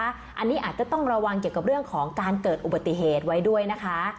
อันนี้อาจจะต้องระวังเกี่ยวกับเรื่องของการเกิดอุบัติเหตุไว้ด้วยนะคะ